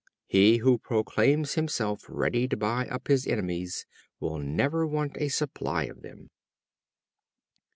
He who proclaims himself ready to buy up his enemies will never want a supply of them.